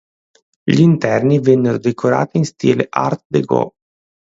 Gli interni vennero decorati in stile Art déco.